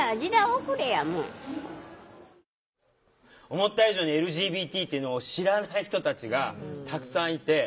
思った以上にＬＧＢＴっていうのを知らない人たちがたくさんいて。